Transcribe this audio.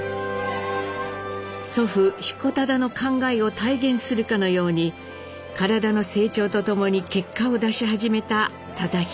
祖父彦忠の考えを体現するかのように体の成長とともに結果を出し始めた忠宏。